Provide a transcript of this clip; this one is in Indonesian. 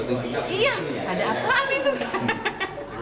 iya ada apaan itu